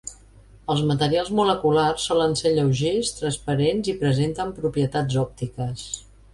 Els materials moleculars solen ser lleugers, transparents i presenten propietats òptiques.